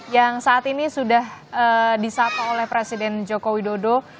yang saat ini sudah disapa oleh presiden joko widodo